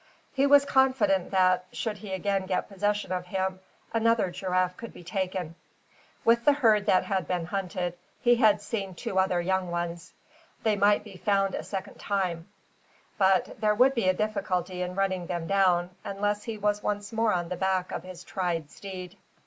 He was confident that, should he again get possession of him, another giraffe could be taken. With the herd that had been hunted, he had seen two other young ones. They might be found a second time; but there would be a difficulty in running them down, unless he was once more on the back of his tried steed.